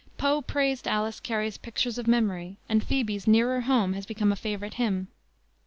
Poe praised Alice Cary's Pictures of Memory, and Phoebe's Nearer Home has become a favorite hymn.